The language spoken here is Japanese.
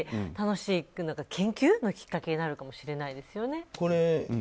楽しく研究のきっかけになるかもしれないですよね。